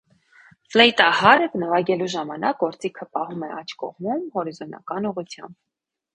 Ֆլեյտահարը նվագելու ժամանակ գործիքը պահում է աջ կողմում ՝ հորիզոնական ուղղությամբ։